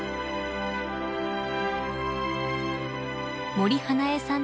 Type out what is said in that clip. ［森英恵さん